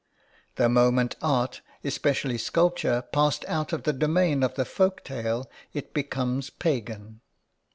The moment art, especially sculpture, passes out of the domain of the folk tale it becomes pagan.